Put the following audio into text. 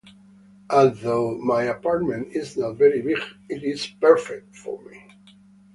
Although my apartment is not very big, it is perfect for me.